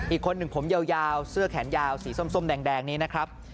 อีกคนหนึ่งผมยาวเสื้อแขนยาวสีส้มแดงนี้นะครับ